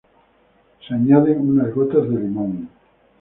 Se añaden unas gotas de limón.